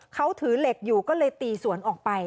เขาถือเหล็กอยู่ก็เลยตีสวนออกไป